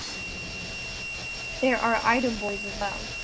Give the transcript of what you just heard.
There are item boys as well.